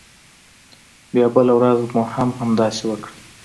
بیا بله ورځ مو هم همداسې وکړل.